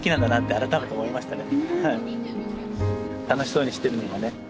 改めて思いましたね。